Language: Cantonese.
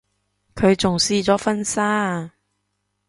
佢仲試咗婚紗啊